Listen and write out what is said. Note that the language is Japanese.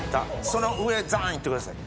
その上ザーンいってください